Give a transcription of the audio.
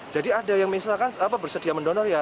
jadi ada yang misalkan bersedia mendonor ya